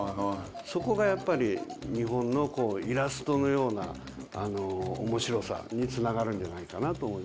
そこがやっぱり日本のイラストのような面白さにつながるんじゃないかなと思いますよね。